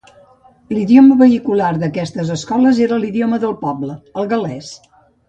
L'idioma vehicular d'aquestes escoles era l'idioma del poble, el gal·lès.